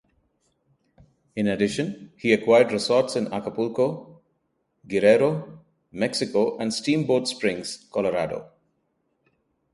In addition he acquired resorts in Acapulco, Guerrero, Mexico, and Steamboat Springs, Colorado.